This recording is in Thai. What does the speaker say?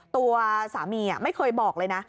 ตัวสามีไม่เคยบอกเลยนะ